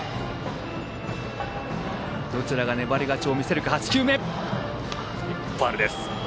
どちらが粘り勝ちを見せるか。